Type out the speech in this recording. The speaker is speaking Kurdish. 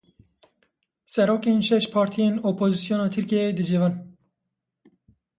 Serokên şeş partiyên opozîsyona Tirkiyeyê dicivin.